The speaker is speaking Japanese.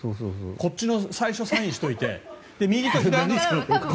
こっちに最初サインをしておいて。